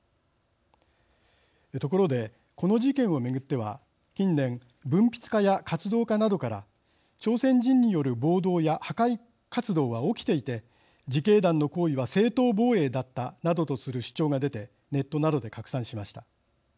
ところでこの事件を巡っては近年文筆家や活動家などから朝鮮人による暴動や破壊活動は起きていて自警団の行為は正当防衛だったなどとする主張が出てネットなどで拡散しました。